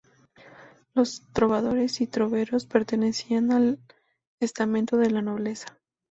Los trovadores y troveros pertenecían al estamento de la nobleza.